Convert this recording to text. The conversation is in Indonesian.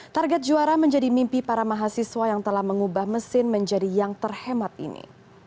target juara menjadi mimpi para mahasiswa yang telah mengubah mesin menjadi yang terhemat ini